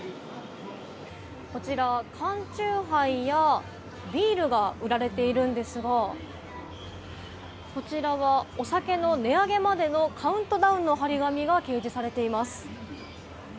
こちら、缶酎ハイやビールが売られているんですがこちらは、お酒の値上げまでのカウントダウンの貼り紙が掲示されています。